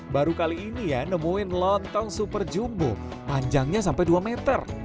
baru kali ini ya nemuin lontong super jumbo panjangnya sampai dua meter